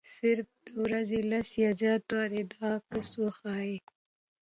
صرف د ورځې لس یا زیات وارې دا عکس وښيي.